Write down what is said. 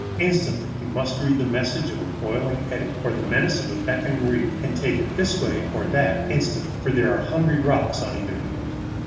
Instantly he must read the message of a boiling eddy or the menace of a beckoning reef, and take it this way or that instantly, for there are the hungry rocks on either hand.